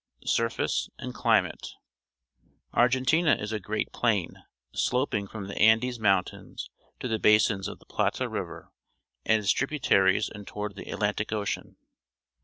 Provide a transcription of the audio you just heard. Surface and Climate. — Argentina is a great plain, sloping from the Andes Moun tains to the basin of the Plata River and its tributaries and toward the Atlantic Ocean.